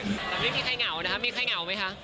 แล้วนี่มีใครเหงานะครับมีใครเหงาไหมคะ